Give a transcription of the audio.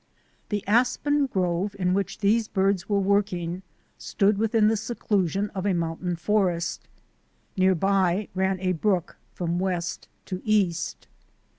The aspen grove in which these birds were work ing stood within the seclusion of a mountain forest. Near by ran a brook from west to east.